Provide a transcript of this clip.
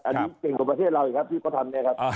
อันนี้เก่งกว่าประเทศเราอีกครับที่เขาทำเนี่ยครับ